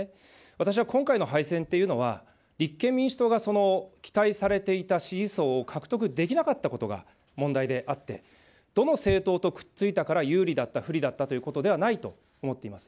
私は今回の敗戦というのは、立憲民主党が、その期待されていた支持層を獲得できなかったことが問題であって、どの政党とくっついたから有利だった、不利だったということではないと思っています。